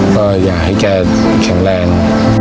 ก็อยากให้แกแข็งแรง